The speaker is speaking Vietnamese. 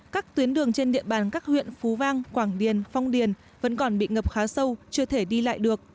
các tuyến đường trên địa bàn các huyện phú vang quảng điền phong điền vẫn còn bị ngập khá sâu chưa thể đi lại được